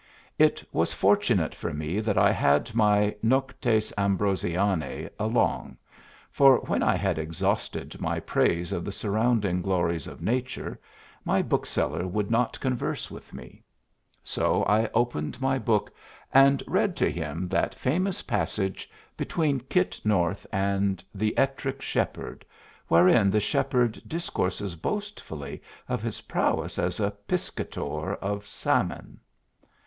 It was fortunate for me that I had my "Noctes Ambrosianae" along, for when I had exhausted my praise of the surrounding glories of nature, my bookseller would not converse with me; so I opened my book and read to him that famous passage between Kit North and the Ettrick Shepherd, wherein the shepherd discourses boastfully of his prowess as a piscator of sawmon.